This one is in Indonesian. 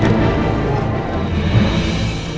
ada yang bawa senjata lagi